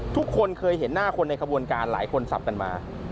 ทุกคนเคยเห็นหน้าคนในขบวนการหลายคนสับกันมา